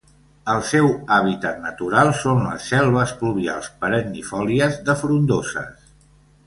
El seu hàbitat natural són les selves pluvials perennifòlies de frondoses.